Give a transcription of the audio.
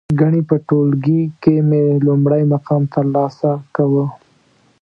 گني په ټولگي کې مې لومړی مقام ترلاسه کاوه.